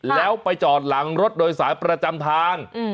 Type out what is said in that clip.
แล้วไปจอดหลังรถโดยสายประจำทาง